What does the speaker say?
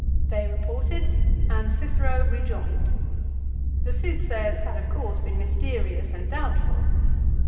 They reported and Cicero rejoined. The soothsayers had of course been mysterious and doubt ful.